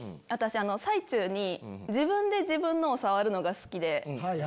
私最中に自分で自分のを触るのが好きで。